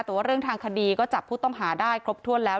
แต่ว่าเรื่องทางคดีก็จับผู้ต้องหาได้ครบถ้วนแล้ว